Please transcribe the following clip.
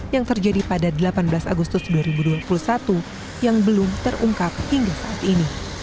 yang terjadi pada delapan belas agustus dua ribu dua puluh satu yang belum terungkap hingga saat ini